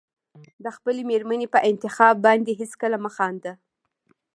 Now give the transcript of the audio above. د خپلې مېرمنې په انتخاب باندې هېڅکله مه خانده.